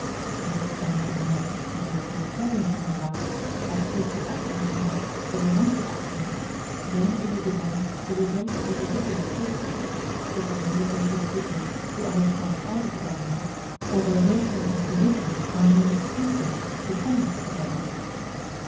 If, on the other hand, as the authoritarians make out, by social action is meant governmental action, then it is again the result of individual forces, but only of those individuals who either form part of the government, or by virtue of their position are enabled to influence the conduct of the government.